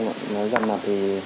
không ạ nói gần mặt thì